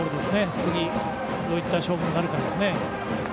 次どういった勝負になるかですね。